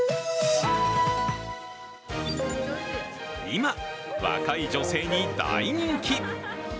今、若い女性に大人気。